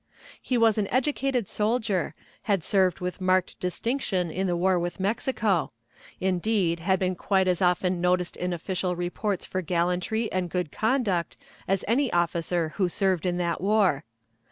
He was an educated soldier, had served with marked distinction in the war with Mexico; indeed, had been quite as often noticed in official reports for gallantry and good conduct as any officer who served in that war.